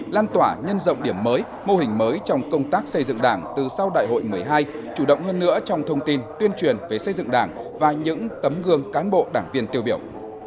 lan tỏa nhân rộng điểm mới mô hình mới trong công tác xây dựng đảng từ sau đại hội một mươi hai chủ động hơn nữa trong thông tin tuyên truyền về xây dựng đảng và những tấm gương cán bộ đảng viên tiêu biểu